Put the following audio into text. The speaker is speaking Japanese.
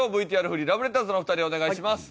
ＶＴＲ振りラブレターズのお二人お願いします。